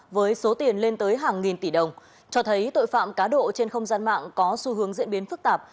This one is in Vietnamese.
với số tiền lên tới hàng nghìn tỷ đồng cho thấy tội phạm cá độ trên không gian mạng có xu hướng diễn biến phức tạp